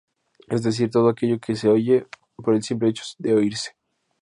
Es decir, todo aquello que se oye por el simple hecho de oírse.